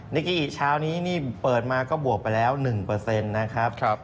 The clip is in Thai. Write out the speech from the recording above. นิกกี้เช้านี้นี่เปิดมาก็บวกไปแล้ว๑นะครับ